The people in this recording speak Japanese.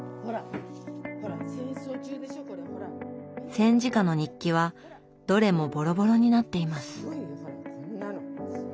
戦時下の日記はどれもボロボロになっています。